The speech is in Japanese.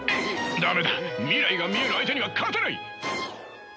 駄目だ未来が見える相手には勝てない！